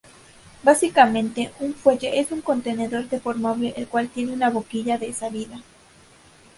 Básicamente, un fuelle es un contenedor deformable el cual tiene una boquilla de salida.